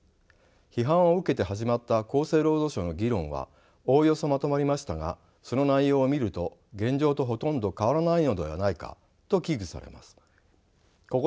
批判を受けて始まった厚生労働省の議論はおおよそまとまりましたがその内容を見ると現状とほとんど変わらないのではないかと危惧されます。